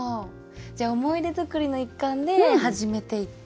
じゃあ思い出作りの一環で始めていって。